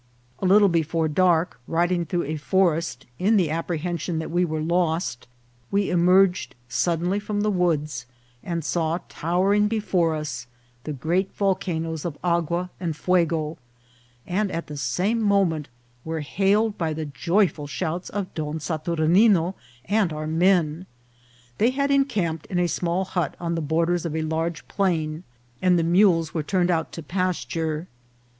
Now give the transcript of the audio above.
A little before dark, riding through a for est, in the apprehension that we were lost, we emerged suddenly from the woods, and saw towering before us the great volcanoes of Agua and Fuego, and at the same moment were hailed by the joyful shouts of Don Satur nine and our men. They had encamped in a small hut on the borders of a large plain, and the mules were turned out to pasture.